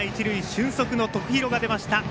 俊足の徳弘が出ました。